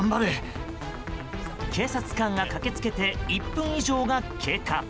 警察官が駆けつけて１分以上が経過。